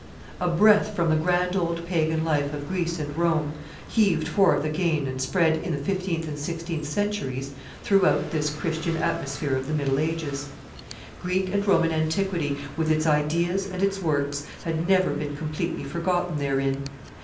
A breath from the grand old pagan life of Greece and Rome heaved forth again and spread, in the fifteenth and sixteenth centuries, throughout this Christian atmosphere of the middle ages. Greek and Roman antiquity, with its ideas and its works, had never been completely forgotten therein.